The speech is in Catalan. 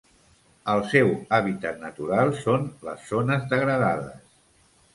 El seu hàbitat natural són les zones degradades.